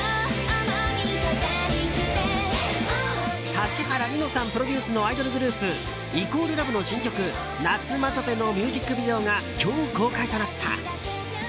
指原莉乃さんプロデュースのアイドルグループ＝ＬＯＶＥの新曲「ナツマトペ」のミュージックビデオが今日、公開となった。